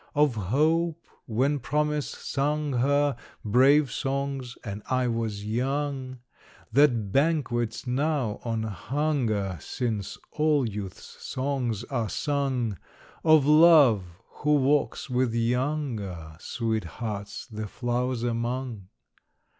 Of Hope, when promise sung her Brave songs and I was young, That banquets now on hunger Since all youth's songs are sung; Of Love, who walks with younger Sweethearts the flowers among.